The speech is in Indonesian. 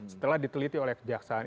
setelah diteliti oleh kejaksaan